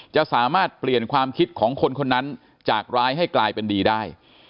จะสามารถเปลี่ยนความคิดของคนคนนั้นจากร้ายให้กลายเป็นดีได้